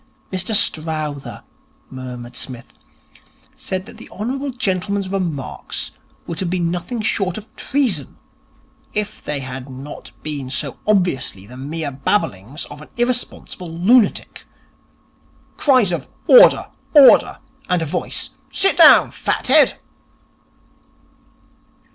'Mr Strowther,' murmured Psmith, 'said that the hon. gentleman's remarks would have been nothing short of treason, if they had not been so obviously the mere babblings of an irresponsible lunatic. Cries of "Order, order," and a voice, "Sit down, fat head!"'